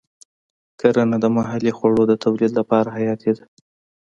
کرنه د محلي خوړو د تولید لپاره حیاتي ده.